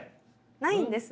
ないんですね。